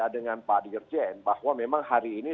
dengan pak dirjen bahwa memang hari ini